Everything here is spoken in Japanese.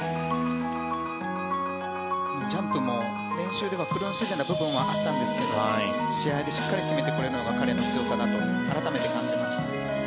ジャンプも練習では苦しげな部分もあったんですが試合でしっかり決めてこられるのが彼の強さだと改めて感じました。